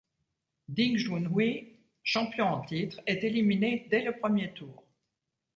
Ding Junhui, champion en titre, est éliminé dès le premier tour.